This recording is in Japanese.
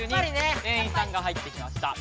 店員さんが入ってきました。